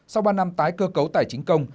sau ba năm tái cơ cấu tài chính công